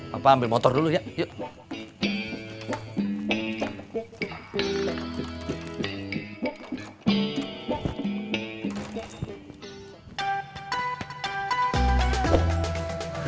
bapak ambil motor dulu ya yuk